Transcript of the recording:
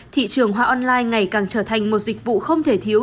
thị trường hoa online ngày càng trở thành một dịch vụ không thể thiếu